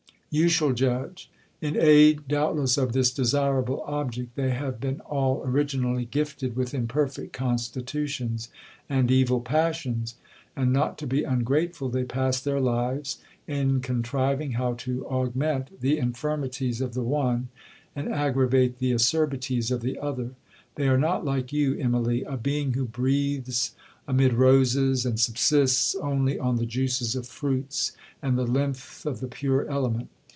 '—'You shall judge. In aid, doubtless, of this desirable object, they have been all originally gifted with imperfect constitutions and evil passions; and, not to be ungrateful, they pass their lives in contriving how to augment the infirmities of the one, and aggravate the acerbities of the other. They are not like you, Immalee, a being who breathes amid roses, and subsists only on the juices of fruits, and the lymph of the pure element.